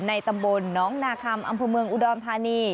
ตำบลน้องนาคัมอำเภอเมืองอุดรธานี